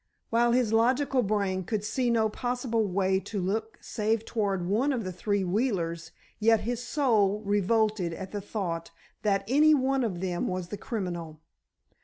While his logical brain could see no possible way to look save toward one of the three Wheelers, yet his soul revolted at the thought that any one of them was the criminal.